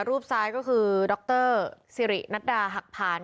รูปซ้ายก็คือดรสิรินัดดาหักผ่าน